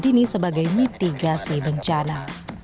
ini sebagai mitigasi bencana